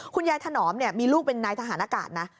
คุณยายถนอ๋มมีลูกเป็นนายทหารอากาศนะ